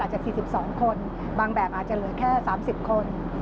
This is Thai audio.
จาก๔๒คนบางแบบอาจจะเหลือแค่๓๐คน